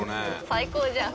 最高じゃん。